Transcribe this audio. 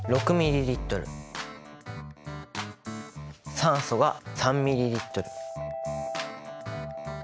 酸素が３ｍＬ。